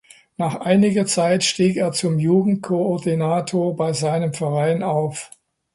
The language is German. Nach einiger Zeit stieg er zum Jugendkoordinator bei seinem Verein auf.